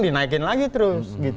dinaikin lagi terus